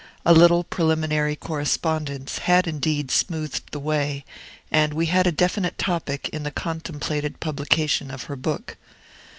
A little preliminary correspondence had indeed smoothed the way, and we had a definite topic in the contemplated publication of her book.